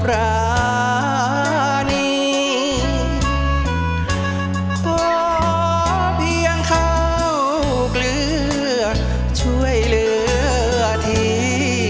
เพราะเพียงข้าวเกลือช่วยเหลือที่